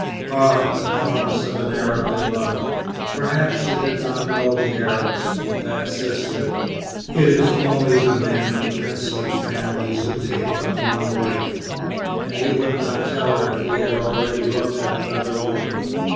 "Ah, the promise of an Arab in love! Perhaps she did not know the Arabs that sister. It is only the men of princely families who take but one wife. And he would not tell her if he had already looked at another woman.